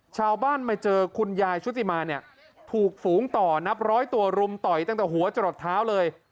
ชาวบ้านมาเจอคุณยายชุติมาเนี่ยถูกฝูงต่อนับร้อยตัวรุมต่อยตั้งแต่หัวจะหลดเท้าเลย